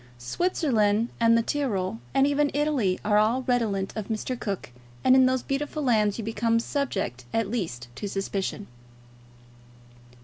Switzerland and the Tyrol, and even Italy, are all redolent of Mr. Cook, and in those beautiful lands you become subject at least to suspicion.